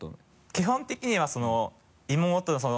基本的には妹の。